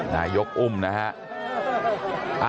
นายกอุ้มนะฮะ